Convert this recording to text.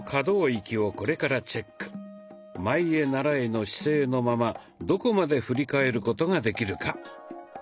「前へならえ」の姿勢のままどこまで振り返ることができるか。